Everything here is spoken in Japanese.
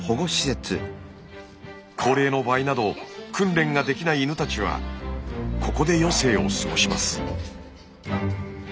高齢の場合など訓練ができない犬たちはここで余生を過ごします。